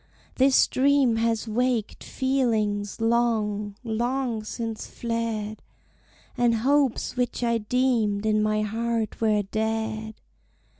This dream has waked feelings long, long since fled, And hopes which I deemed in my heart were dead!